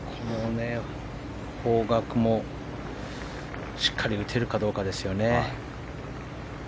方角もしっかり打てるかどうかですよね。